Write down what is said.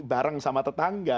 barang sama tetangga